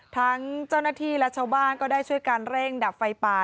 ทั้งเจ้าหน้าที่และชาวบ้านก็ได้ช่วยกันเร่งดับไฟป่า